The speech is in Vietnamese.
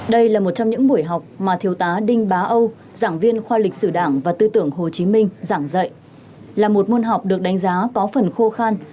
đây là một trong những buổi học mà thiếu tá đinh bá âu giảng viên khoa lịch sử đảng và tư tưởng hồ chí minh giảng dạy là một môn học được đánh giá có phần khô khan